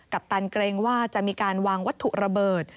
ปตันเกรงว่าจะมีการวางวัตถุระเบิด